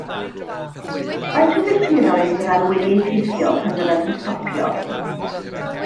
Faint o filltiroedd fyddan nhw wedi eu teithio pan fyddant yn stopio?